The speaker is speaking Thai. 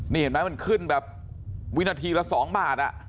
นี่เห็นไหมมันขึ้นแบบวินาทีละ๒บาท